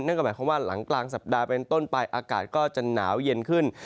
หมายความว่าหลังกลางสัปดาห์เป็นต้นไปอากาศก็จะหนาวเย็นขึ้น